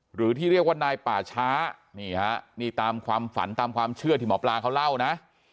หรือที่เรียกว่านายป่าช้านี่ฮะนี่ตามความฝันตามความเชื่อที่หมอปลาเขาเล่านะ